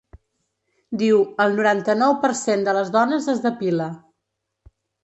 Diu: El noranta-nou per cent de les dones es depila.